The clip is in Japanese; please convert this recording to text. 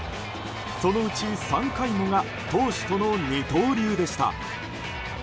そのうち３回もが投手との二刀流でした。